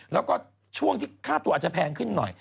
แล้วก็ช่วงที่ค่าตัวอาจจะแพงขึ้นหน่อย